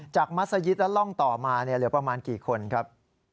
มัศยิตและร่องต่อมาเหลือประมาณกี่คนครับ